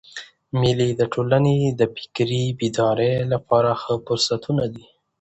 مېلې د ټولني د فکري بیدارۍ له پاره ښه فرصتونه دي.